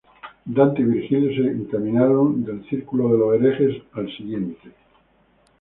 Dante y Virgilio se encaminaron del círculo de los herejes al sucesivo.